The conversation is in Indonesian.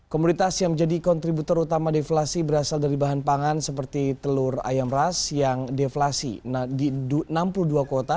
komoditas yang menjadi kontributor utama deflasi berasal dari bahan pangan seperti telur ayam ras yang deflasi di enam puluh dua kota